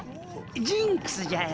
ジンクスじゃよ。